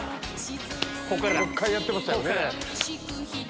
もう１回やってましたよね。